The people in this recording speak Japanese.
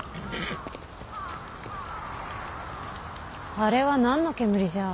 あれは何の煙じゃ？